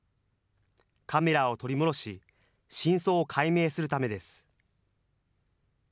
カメラを取り戻し、真相を解明するためです。